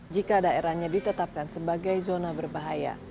jika daerahnya ditetapkan sebagai zona berbahaya